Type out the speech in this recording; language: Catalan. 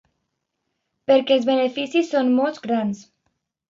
Perquè els beneficis són molt grans.